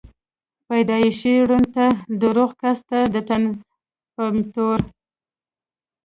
پېدائشي ړوند ته دَروغ کس ته دطنز پۀ طور